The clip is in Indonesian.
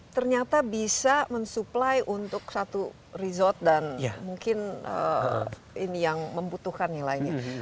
ternyata bisa mensuplai untuk satu resort dan mungkin ini yang membutuhkan nilainya